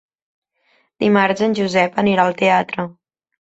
Dimarts en Josep anirà al teatre.